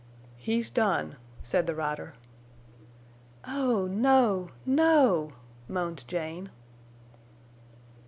"He's done," said the rider. "Oh, no—no!" moaned Jane.